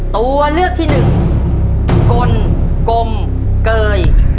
ตัวเลือกที่หนึ่งกลกลมเกย